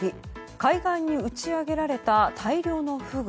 海岸に打ち揚げられた大量のフグ。